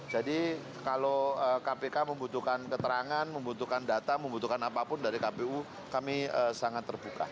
jadi kalau kpk membutuhkan keterangan membutuhkan data membutuhkan apapun dari kpu kami sangat terbuka